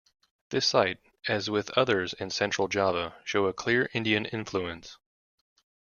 This site, as with others in central Java, show a clear Indian influence.